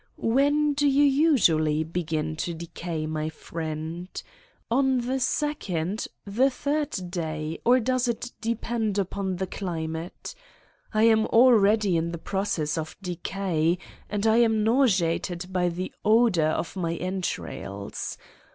When do you usually begin to decay, my friend : on the second, the third day or does it depend upon the climate ? I am already in the proc ess of decay, and I am nauseated by the odor of my entrails.